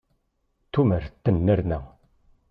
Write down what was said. Tumert tennerna.